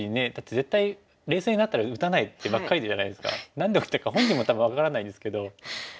何で打ったか本人も多分分からないんですけど。